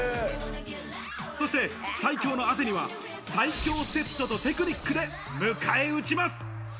そして最強の汗には最強セットとテクニックで迎え撃ちます。